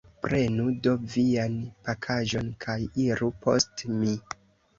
Prenu do vian pakaĵon kaj iru post mi.